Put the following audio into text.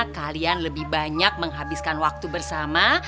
kalian lebih banyak menghabiskan waktu bersama